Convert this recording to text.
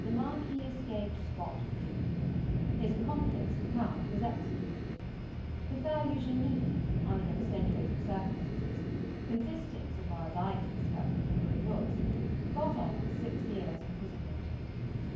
The Marquis escaped scot free. His accomplice, the Count, was executed. The fair Eugenie, under extenuating circumstances consisting, so far as I could discover of her good looks got off for six years' imprisonment.